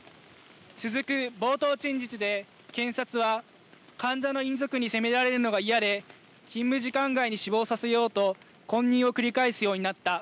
続く冒頭陳述で検察は患者の遺族に責められるのが嫌で勤務時間外に死亡させようと混入を繰り返すようになった。